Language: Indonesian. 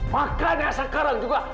makanya sekarang juga